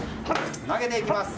投げていきます。